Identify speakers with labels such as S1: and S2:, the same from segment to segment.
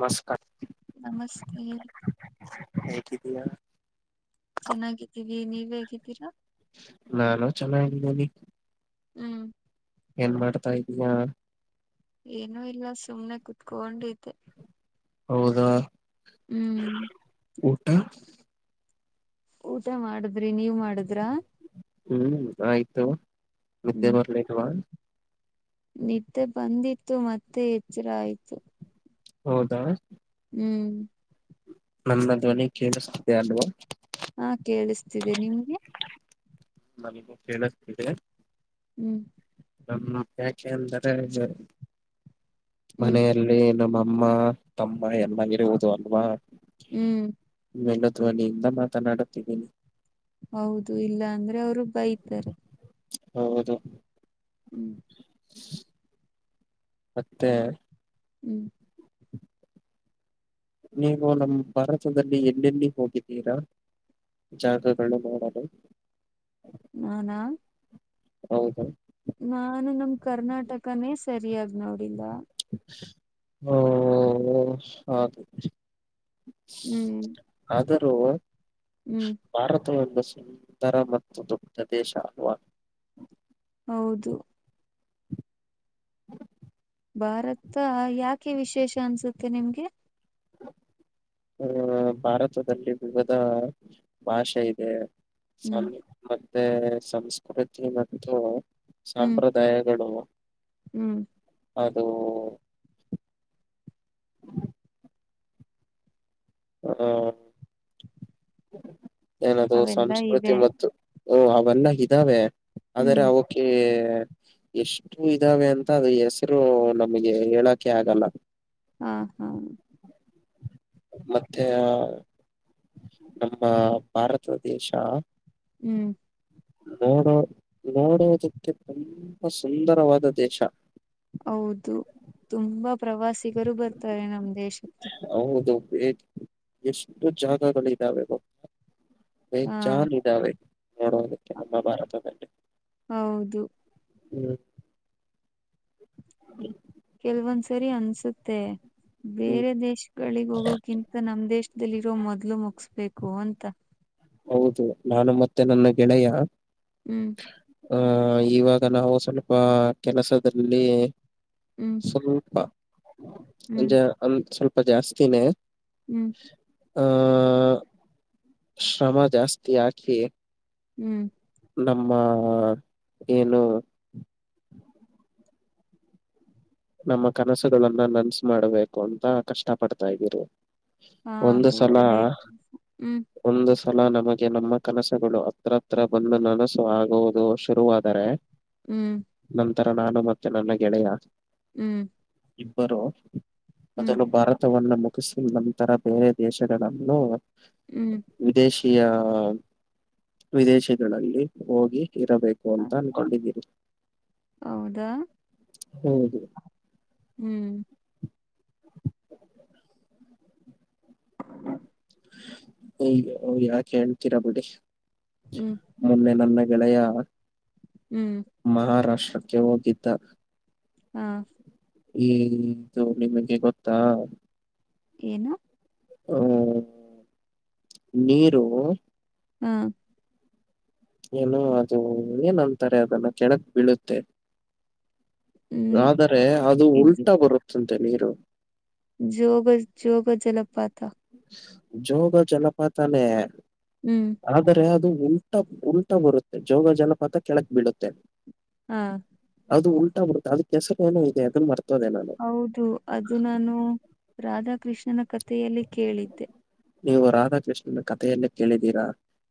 S1: ನಮಸ್ಕಾರ್
S2: ನಮಸ್ತೆ
S1: ಹೇಗಿದಯಾ.
S2: ಚೆನ್ನಾಗಿದ್ದೀವಿ ನೀವ ಹೇಗಿದ್ದೀರಿ.
S1: ನಾನು ಚೆನ್ನಾಗಿದ್ದೀನಿ.
S2: ಹ್ಮ್
S1: ಏನ್ ಮಾಡ್ತಾ ಇದ್ದೀವಾ.
S2: ಏನೂ ಇಲ್ಲ ಸುಮ್ನೆ ಕುತ್ಕೊಂಡಿದ್ದೆ.
S1: ಹೌದಾ
S2: ಹ್ಮ್
S1: ಓಕೆ
S2: ಊಟ ಮಾಡಿದ್ರಿ ನೀವ್ ಮಾಡಿದ್ರಾ.
S1: ಹ್ಮ್ ಆಯ್ತು ನಿದ್ದೆ
S2: ಹ್ಮ್
S1: ಬರ್ಲಿಲ್ವಾ.
S2: ನಿದ್ದೆ ಬಂದಿತ್ತು ಮತ್ತೆ ಎಚ್ಚರ ಆಯ್ತು.
S1: ಹೌದಾ
S2: ಹ್ಮ
S1: ನನ್ನ ಧ್ವನಿ ಕೇಳುಸ್ತಾ ಅಂದ್ರೆ.
S2: ಹಾ ಕೇಳಿಸ್ತಿದೆ ನಿಮ್ಗೆ.
S1: ನನಗೂ ಕೇಳಿಸುತ್ತಿದೆ.
S2: ಹ್ಮ್
S1: ತಮ್ಮು ಯಾಕೆ ಅಂದರೆ ಉಜ್ಜಲ್
S2: ಹ್ಮ್
S1: ಮನೆಯಲ್ಲಿ ನಮ್ಮಮ್ಮ ತಮ್ಮ ಎಲ್ಲಾ ವಿರೋಜಾತಿನಾ.
S2: ಹ್ಮ್
S1: ಮೆಲ್ಲ ಧ್ವನಿಯಿಂದ ಮಾತನಾಡುತ್ತಿರಿ.
S2: ಹೌದು ಇಲ್ಲ ಅಂದ್ರೆ ಅವರು ಬೈತರೆ.
S1: ಹೌದು
S2: ಹ್ಮ್
S1: ಮತ್ತೆ
S2: ಹ್ಮ್
S1: ನೀವು ನಮ್ಮ ಪರಚದಲ್ಲಿ ಎಲ್ಲೆಲ್ಲಿ ಹೋಗಿದ್ದೀರಾ. ಜಾಗಗಳು ನೋಡೋದು.
S2: ನಾನಾ
S1: ಹೌದು
S2: ನಾನು ನಮ್ ಕರ್ನಾಟಕನೇ ಸರಿಯಾಗಿ ನೋಡಿಲ್ಲ.
S1: ಓ ಆತು.
S2: ಹ್ಮ್
S1: ಆದರೂ
S2: ಹ್ಮ್
S1: ಭಾರತ ಒಂದು ಸುಂದರ ಮತ್ತು ದೊಡ್ಡ ದೇಶ ಅಲ್ವಾ.
S2: ಹೌದು ಭಾರತ ಯಾಕೆ ವಿಶೇಷ ಅನ್ಸುತ್ತೆ ನಿಮ್ಗೆ.
S1: ಆ ಭಾರತದಲ್ಲಿ ವಿವಿಧ ಭಾಷೆ ಇದೆ
S2: ಹ್ಮ್
S1: ಸ್ವ ಮತ್ತೆ ಸಂಸ್ಕೃತಿ ಮತ್ತು
S2: ಹ್ಮ್
S1: ಸಂಪ್ರದಾಯಗಳು ಇವೆ.
S2: ಹ್ಮ್
S1: ಅದು ಅದು ಏನದು
S2: ಅವೆಲ್ಲಾ
S1: ಸಂಸ್ಕೃತಿ
S2: ಇದೆ
S1: ಮತ್ತು ಓ ಅವೆಲ್ಲ ಇದ್ದಾವೆ ಆದರೆ
S2: ಹ್ಮ್
S1: ಅವು. ಕ್ಕೆ ಎಷ್ಟು ಇದಾವೆ ಅಂತ ಹೆಸರು ನಮಗೆ ಹೇಳಕೆ ಆಗಲ್ಲ.
S2: ಹಾ ಹಾ
S1: ಮತ್ತೆ ನಮ್ಮ ಭಾರತ ದೇಶ.
S2: ಹ್ಮ್
S1: ನೋಡೋ ನೋಡುವುದಕ್ಕೆ ತುಂಬಾ ಸುಂದರವಾದ ದೇಶ.
S2: ಹೌದು ತುಂಬಾ ಪ್ರವಾಸಿಗರು ಬರ್ತಾರೆ ನಮ್ಮ ದೇಶಕ್ಕೆ.
S1: ಹೌದು ಎಷ್ಟು ಜಾಗಗಳಿದ್ದಾವೆ ಗೊತ್ತಾ.
S2: ಹಾ
S1: ಬೇಜಾನ್ ಇದಾವೆ ನೋಡೋದಕ್ಕೆ ನಮ್ಮ ಭಾರತದಲ್ಲಿ.
S2: ಹೌದು
S1: ಹ್ಮ್ ಹ್ಮ
S2: ಕೆಲವೊಂದು ಸರಿ ಅನ್ಸುತ್ತೆ
S1: ಹ್ಮ್
S2: ಬೇರೆ ದೇಶಗಳಿಗೆ ಹೋಗೋಕಿಂತ ನಮ್ ದೇಶ ಗಲಿಜ ಮೊದಲು ಮುಗುಸ್ಬೇಕು ಅಂತ.
S1: ಹೌದು ನಾನು ಮತ್ತೆ ನನ್ನ ಗೆಳೆಯ.
S2: ಹ್ಮ್
S1: ಹ ಇವಾಗ ನಾವು ಸ್ವಲ್ಪ ಕೆಲಸದಲ್ಲಿ
S2: ಹ್ಮ್ ಹ್ಮ್
S1: ಅಂದ್ರೆ ಅಲ್ ಸ್ವಲ್ಪ ಜಾಸ್ತಿನೇ.
S2: ಹ್ಮ್
S1: ಹಾ ಶ್ರಮ ಜಾಸ್ತಿ ಹಾಕಿ.
S2: ಹ್ಮ್
S1: ನಮ್ಮ ಏನು ನಮ್ಮ ಕನಸುಗಳನ್ನ ನನ್ಸ್ ಮಾಡ್ಬೇಕು ಅಂತ ಕಷ್ಟ ಪಡ್ತಾ ಇದೀರಿ.
S2: ಹಾ ಅದು ಒಳ್ಳೆ ಹ್ಮ್.
S1: ಒಂದು ಸಲ ನಮಗೆ ನಮ್ಮ ಕನಸುಗಳು ಹತ್ರತ್ರ ಬಂದು ನನಸು ಆಗುವುದು ಶುರುವಾದರೆ.
S2: ಹ್ಮ್
S1: ನಂತರ ನಾನು ಮತ್ತೆ ನನ್ನ ಗೆಳೆಯ.
S2: ಹ್ಮ್
S1: ಇಬ್ಬರು
S2: ಹ್ಮ್
S1: ಮೊದಲು ಭಾರತವನ್ನ ಮುಕ್ ಕುಶ್ಬು ನಂತರ ಬೇರೆ ದೇಶಗಳಲ್ಲೂ.
S2: ಹ್ಮ್
S1: ವಿದೇಶಿಯ ವಿದೇಶಿಗಳಲ್ಲಿ ಹೋಗಿ ಇರಬೇಕು ಅಂತ. ಕೊಂಡಿದ್ದೀರಿ.
S2: ಹೌದಾ
S1: ಹೌದು
S2: ಹ್ಮ್ [inaudible]
S1: ಹುಂ ಯಾಕೆ ಹೇಳ್ತೀರಾ ಬಿಡಿ.
S2: ಹ್ಮ್
S1: ಮೊನ್ನೆ ನನ್ನ ಗೆಳೆಯ.
S2: ಹ್ಮ್
S1: ಮಹಾರಾಷ್ಟ್ರಕ್ಕೆ ಹೋಗಿದ್ದ.
S2: ಹಾ
S1: ಹುಂ [unintelligible] ಮಂಜ ಗೊತ್ತಾ.
S2: ಏನು
S1: ಹ್ಮ ನೀರು.
S2: ಹು
S1: ಏನು ಅದು ಅಂದ್ರೆ ನಂತರದಲ್ಲ ಕೆಳಕ್ ಬೀಳುತ್ತೆ.
S2: ಹ್ಮ್
S1: ಆದರೆ ಅದು
S2: ಇದು
S1: ಉಲ್ಟಾ ಬರುತ್ತಂತೆ ನೀರು.
S2: ಜೋಗ ಜೋಗ ಜಲಪಾತ.
S1: ಜೋಗ ಜಲಪಾತಾನೇ.
S2: ಹ್ಮ್.
S1: ಆದರೆ ಅದು ಉಲ್ಟ ಉಲ್ಟ ಬರುತ್ತೆ ಜೋಗ ಜಲಪಾತ ಕೆಳಕ್ ಬಿಡುತ್ತೆ
S2: ಹಾ
S1: ಅದು ಉಲ್ಟಾ ಬಿಡುತ್ತೆ ಅದ ಹೆಸರ್ ಏನೋ ಇದೆ ಅದನ್ ಮಾರ್ತೋದೆ ನಾನು.
S2: ಹೌದು ಅದು ನಾನು ರಾಧಾಕೃಷ್ಣನ ಕಥೆಯಲ್ಲಿ ಕೇಳಿದ್ದೆ.
S1: ನೀವು ರಾಧಾಕೃಷ್ಣನ ಕಥೆಯಲ್ಲೇ ಕೇಳಿದೀರಾ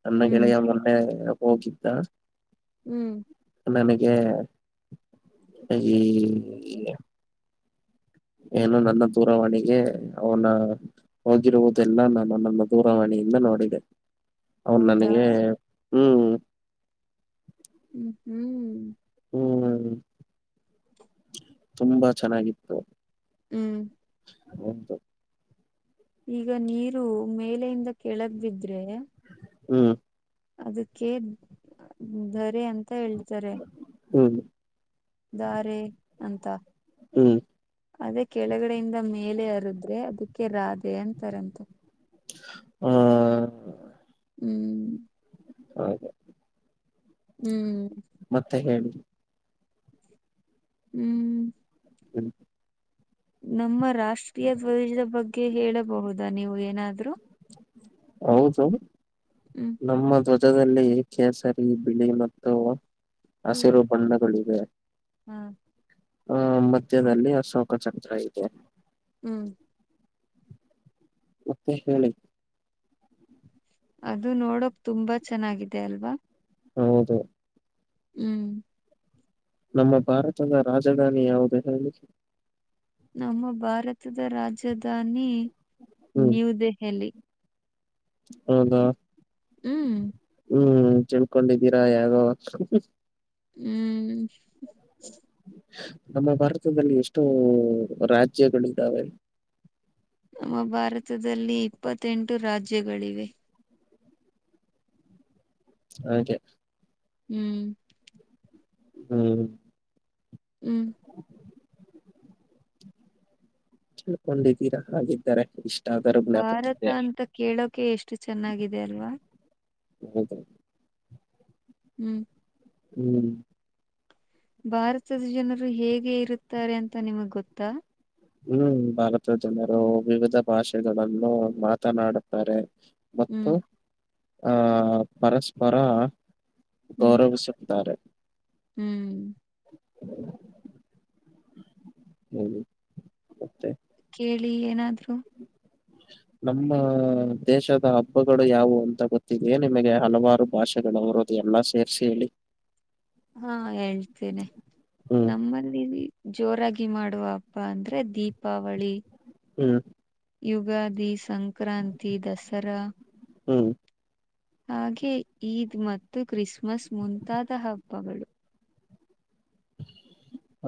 S1: ನನ್ನ
S2: ಹ್ಮ್
S1: ಗೆಳೆಯ ಮೊನ್ನೆ ಹೋಗಿ ದ್ದ
S2: ಹ್ಮ್.
S1: ನನಗೆ ಈ ಏನು ನನ್ನ ದೂರವಾಣಿಗೆ ಅವನ ಹೋಗಿರುವುದೆಲ್ಲ ನಾನು ನನ್ನ ದೂರವಾಣಿಯಿಂದ ನೋಡಿದೆ. ಅವನ್
S2: ಹೌದಾ
S1: ನನಗೆ ಹ್ಮ್
S2: ಹ್ಮ್ ಹ್ಮ್.
S1: ಹ್ಮ್. ತುಂಬಾ ಚೆನ್ನಾಗಿತ್ತು.
S2: ಹ್ಮ್.
S1: ಬಂತು.
S2: ಈಗ ನೀರು ಮೇಲೆಯಿಂದ ಕೆಳಗ್ ಬಿದ್ರೆ
S1: ಹ್ಮ್.
S2: ಅದಕ್ಕೆ ಧರೆ ಅಂತ ಹೇಳ್ತಾರೆ.
S1: ಹ್ಮ್.
S2: ದಾರೆ ಅಂತ.
S1: ಹ್ಮ್
S2: ಅದೇ ಕೆಳಗಡೆಯಿಂದ ಮೇಲೆ ಹರುದ್ರೆ ಅದಕ್ಕೆ ರಾಧೆ ಅಂತಾರಂತೆ.
S1: ಹ್ಮ್.
S2: ಹ್ಮ್.
S1: ಹೌದಾ.
S2: ಹ್ಮ್.
S1: ಮತ್ತೆ ಹೇಳಿ.
S2: ಹ್ಮ್.
S1: ಹ್ಮ್.
S2: ನಮ್ಮ ರಾಷ್ಟ್ರೀಯ ಧ್ವಜದ ಬಗ್ಗೆ ಹೇಳಬಹುದಾ ನೀವು ಏನಾದ್ರು.
S1: ಹೌದು.
S2: ಹ್ಮ್.
S1: ನಮ್ಮ ಧ್ವಜದಲ್ಲಿ ಕೇಸರಿ ಬಿಳಿ ಮತ್ತು
S2: ಹ್ಮ್
S1: ಹಸಿರು ಬಣ್ಣಗಳಿವೆ.
S2: ಹ್ಮ್.
S1: ಆ ಮಧ್ಯದಲ್ಲಿ ಅಶೋಕ ಚಕ್ರ ಇದೆ.
S2: ಹ್ಮ್.
S1: ಮತ್ತೆ ಹೇಳಿ.
S2: ಅದು ನೋಡೋಕ್ ತುಂಬಾ ಚೆನ್ನಾಗಿದೆ ಅಲ್ವಾ.
S1: ಹೌದು.
S2: ಹ್ಮ್.
S1: ನಮ್ಮ ಭಾರತದ ರಾಜಧಾನಿ ಯಾವುದು ಹೇಳಿ.
S2: ನಮ್ಮ ಭಾರತದ ರಾಜಧಾನಿ
S1: ಹ್ಮ್
S2: ನ್ಯೂ ದೆೆಹಲಿ.
S1: ಹೌದಾ
S2: ಹ್ಮ್
S1: ಹ್ಮ್ ಚೆಲ್ಕೊಂಡಿದಿರಾ ಯಾಗೋ
S2: ಹ್ಮ್
S1: ನಮ್ಮ ಭಾರತದಲ್ಲಿ ಎಷ್ಟೋ ರಾಜ್ಯಗಳಿದ್ದಾವೆ
S2: ನಮ್ಮ ಭಾರತದಲ್ಲಿ ಇಪ್ಪತ್ತೆಂಟು ರಾಜ್ಯಗಳಿವೆ
S1: ಹಾಗೆ
S2: ಹ್ಮ್
S1: ಹ್ಮ್
S2: ಹ್ಮ್
S1: ತಿಳ್ಕೊಂಡಿದ್ದೀರಾ ಹಾಗಿದ್ದಾರೆ ಇಷ್ಟ
S2: ಭಾರತ ಅಂತ ಕೇಳೋಕೆ ಎಷ್ಟು ಚೆನ್ನಾಗಿದೆ ಅಲ್ವಾ
S1: ಹೌದು
S2: ಹ್ಮ್
S1: ಹ್ಮ್
S2: ಭಾರತದ ಜನರು ಹೇಗೆ ಇರುತ್ತಾರೆ ಅಂತ ನಿಮಗ್ ಗೊತ್ತಾ
S1: ಹ್ಮ್ ಭಾರತದ ಜನರು ವಿವಿಧ ಭಾಷೆಗಳನ್ನು ಮಾತನಾಡುತ್ತಾರೆ
S2: ಹ್ಮ್
S1: ಮತ್ತು ಆಹ ಪರಸ್ಪರ
S2: ಹ್ಮ್
S1: ಗೌರವಿಸುತ್ತಾರೆ
S2: ಹ್ಮ್
S1: ಹೇಳಿ ಮತ್ತೆ
S2: ಹೇಳಿ ಏನಾದ್ರು
S1: ಹ [inaudible] ನಮ್ಮ ದೇಶದ ಹಬ್ಬಗಳು ಯಾವುವು ಅಂತ ಗೊತ್ತಿದೇ ನಿಮಗೆ ಹಲವಾರು ಭಾಷೆಗಳುವರು ಎಲ್ಲ ಸೇರಿಸಿ ಹೇಳಿ
S2: ಹಾ ಹೇಳ್ತೇನೆ
S1: ಹ್ಮ್
S2: ನಮ್ಮಲ್ಲಿ ಜೋರಾಗಿ ಮಾಡುವ ಹಬ್ಬ ಅಂದ್ರೆ ದೀಪಾವಳಿ
S1: ಹ್ಮ್
S2: ಯುಗಾದಿ ಸಂಕ್ರಾಂತಿ ದಸರಾ
S1: ಹ್ಮ
S2: ಹಾಗೆ ಈದ್ ಮತ್ತು ಕ್ರಿಸ್ಮಸ್ ಮುಂತಾದ ಹಬ್ಬಗಳು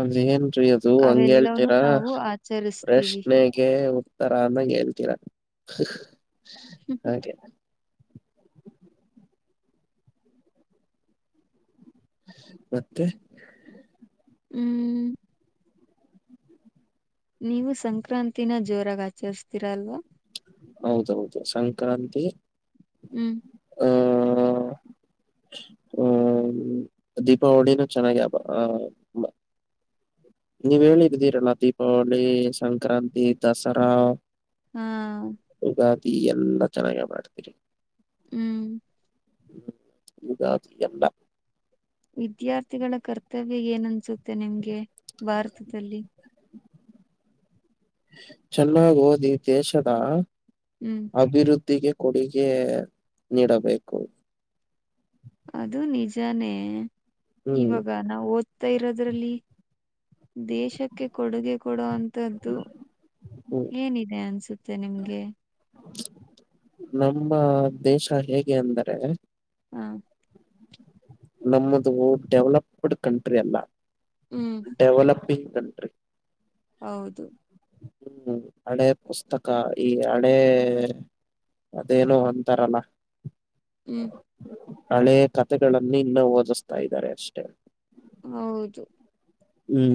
S1: ಅದೇಏನ್ರೀ ಅದು ಹಂಗೆ
S2: ಅವೆಲ್ಲವೂ
S1: ಹೇಳ್ತೀರಾ
S2: ನಾವು ಆಚರಿಸ್ತೀವಿ.
S1: ಪ್ರಶ್ನೆ ಗೆ ಉತ್ತರ ಆನಂಗ್ ಹೇಳ್ತೀರ
S2: ಹ್ಮ
S1: ಹ [unintelligible] ಮತ್ತೆ
S2: ಹ್ಮ್ ನೀವು ಸಂಕ್ರಾಂತಿನ ಜೋರಾಗಿ ಆಚರಿಸ್ತೀರ ಅಲ್ವಾ
S1: ಹೌದೌದು ಸಂಕ್ರಾಂತಿ
S2: ಹ್ಮ
S1: ಹ್ಮ ಹ್ಮ ದೀಪಾವಳಿನೂ ಚೆನ್ನಾಗಿ [unintelligible] ನೀವ್ ಹೇಳಿದ್ದಿದ್ದೀರಲ್ಲ ದೀಪಾವಳಿ ಸಂಕ್ರಾಂತಿ ದಸರಾ
S2: ಹಾ
S1: ಯಗಾದಿ ಎಲ್ಲ ಚೆನ್ನಾಗ ಮಾಡ್ತೀರಿ
S2: ಹ್ಮ್
S1: ಹ್ಮ ವಿರಾದು ಎಲ್ಲ.
S2: ವಿದ್ಯಾರ್ಥಿಗಳ ಕರ್ತವ್ಯ ಏನನ್ಸುತ್ತೆ ನಿಮ್ಗೆ ಭಾರತದಲ್ಲಿ.
S1: ಚೆನ್ನಾಗಿ ಓದಿ ದೇಶದ.
S2: ಹ್ಮ್
S1: ಅಭಿವೃದ್ಧಿಗೆ ಕೊಡುಗೆ ನೀಡಬೇಕು.
S2: ಅದು ನಿಜಾನೇ
S1: ಹ್ಮ್
S2: ಇವಾಗ ನಾವು ಓದ್ತಾ ಇರೋದ್ರಲ್ಲಿ. ದೇಶಕ್ಕೆ ಕೊಡುಗೆ ಕೊಡೋ ಅಂತದ್ದು.
S1: ಹ್ಮ್
S2: ಏನಿದೆ ಅನ್ಸುತ್ತೆ ನಿಮ್ಗೆ.
S1: ನಮ್ಮ ದೇಶ ಹೇಗೆ ಅಂದರೆೆ.
S2: ಹ್ಮ್
S1: ನಮ್ಮದು ಡೆವಲಪ್ಡ್ ಕಂಟ್ರಿ ಅಲ್ಲ
S2: ಹ್ಮ್
S1: ಡೆವಲಪಿಂಗ್ ಕಂಟ್ರಿ.
S2: ಹೌದು
S1: ಹ್ಮ್ ಹಳೆ ಪುಸ್ತಕ ಈ ಹಳೇ ಅದೇನೋ ಅಂತಾರಲ್ಲ.
S2: ಹ್ಮ್
S1: ಹಳೆ ಕತೆೆಗಳನ್ನು ಇನ್ನೂ ಓದಿಸ್ತಾ ಇದ್ದಾರೆ ಅಷ್ಟೇ.
S2: ಹೌದು
S1: ಹ್ಮ್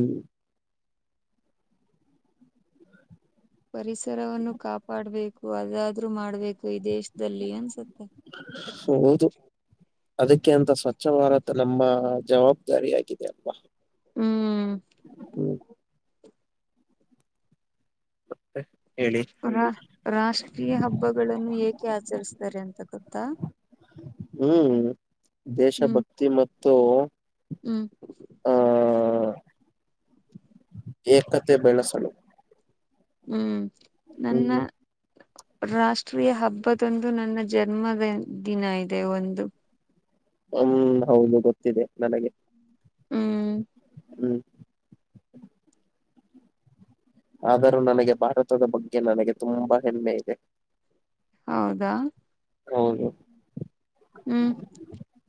S2: ಪರಿಸರವನ್ನು ಕಾಪಾಡುಬೇಕು ಅದದ್ರೂ ಮಾಡ್ಬೇಕು ಈ ದೇಶದಲ್ಲಿ ಅನ್ಸುತ್ತೆ.
S1: ಸೊ ಹೌದು. ಅದಕ್ಕೆ ಅಂತ ಸ್ವಚ್ಛ ಭಾರತ್ ನಮ್ಮ ಜವಾಬ್ದಾರಿಯಾಗಿದೆ ಅಲ್ವಾ.
S2: ಹ್ಮ್
S1: ಹ್ಮ್ ಮತ್ತೆ ಹೇಳಿ.
S2: ರಾ ರಾಷ್ಟ್ರೀಯ ಹಬ್ಬಗಳನ್ನು ಏಕೆ ಆಚರಿಸ್ತಾರೆ ಅಂತ ಗೊತ್ತಾ.
S1: ಹ್ಮ್
S2: ಹ್ಮ್
S1: ದೇಶಭಕ್ತಿ ಮತ್ತು.
S2: ಹ್ಮ್
S1: ಹಾ ಏಕತೆ ಬೆಳೆಸಲು.
S2: ಹ್ಮ್ ನನ್ನ.
S1: ಹ್ಮ್
S2: ರಾಷ್ಟ್ರೀಯ ಹಬ್ಬದೊಂದು ನನ್ನ ಜನ್ಮದ ದಿನ ಇದೆ ಒಂದು.
S1: ಆವು ಹೌದು ಗೊತ್ತಿದೆ ನನಗೆ.
S2: ಹ್ಮ್ಮ್ಮ್
S1: ಹ್ಮ್ ಆದರೂ ನನಗೆ ಭಾರತದ ಬಗ್ಗೆ ನನಗೆ ತುಂಬಾ ಹೆಮ್ಮೆ ಇದೆ.
S2: ಹೌದಾ
S1: ಹೌದು
S2: ಹ್ಮ್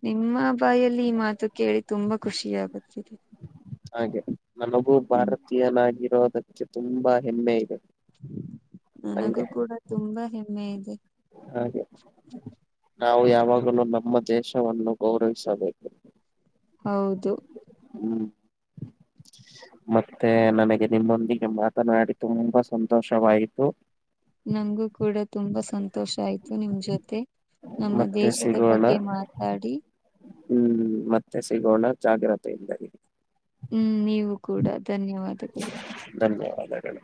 S2: ನಿಮ್ಮ ಬಾಯಲ್ಲಿ ಈ ಮಾತು ಕೇಳಿ ತುಂಬಾ ಖುಷಿ ಆಗುತ್ತಿದೆ.
S1: ಹಾಗೆ ನನಗೂ
S2: ಹ್ಮ್
S1: ಭಾರತೀಯನಾಗಿರೋದಕ್ಕೆ ತುಂಬಾ ಹೆಮ್ಮೆ ಇದೆ.
S2: ನನಗೂ ಕೂಡ ತುಂಬಾ ಹೆಮ್ಮೆ ಇದೆ.
S1: ಹೌದು ನಾವು ಯಾವಾಗಲೂ ನಮ್ಮ ದೇಶವನ್ನು ಗೌರವಿಸಬೇಕು.
S2: ಹೌದು
S1: ಹ್ಮ್ ಮತ್ತೆ ನನಗೆ ನಿಮ್ಮೊಂದಿಗೆ ಮಾತನಾಡಿ ತುಂಬಾ ಸಂತೋಷವಾಯಿತು.
S2: ನಂಗೂ ಕೂಡ ತುಂಬಾ ಸಂತೋಷ ಆಯ್ತು ನಿಮ್ಮ ಜೊತೆ. ನಮ್ಮ
S1: ಮತ್ತೆ
S2: ದೇಶದ
S1: ಸಿಗೋಣ
S2: ಬಗ್ಗೆ ಮಾತಾಡಿ.
S1: ಹ್ಮ್ ಮತ್ತೆ ಸಿಗೋಣ ಜಾಗ್ರತೆ ಇಲ್ಲದೆ.
S2: ಹ್ಮ್ ನೀವು ಕೂಡ ಧನ್ಯವಾದ.
S1: ಧನ್ಯವಾದಗಳು.